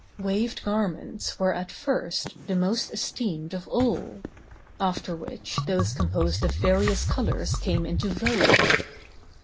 Waved garments were at first the most esteemed of all: after which those composed of various colors came into vogue.